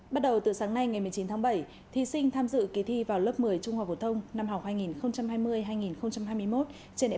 bắt đầu từ sáng nay ngày một mươi chín tháng bảy thí sinh tham dự kế thi vào lớp một mươi trung hòa vũ thông năm học hai nghìn hai mươi hai nghìn hai mươi một